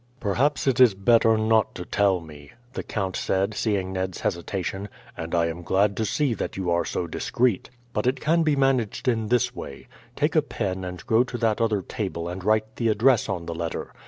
"Perhaps it is better not to tell me," the count said, seeing Ned's hesitation, "and I am glad to see that you are so discreet. But it can be managed in this way: Take a pen and go to that other table and write the address on the letter.